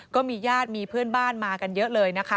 ก็มีญาติมีเพื่อนบ้านมากันเยอะเลยนะคะ